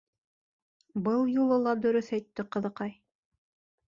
Был юлы ла дөрөҫ әйтте ҡыҙыҡай.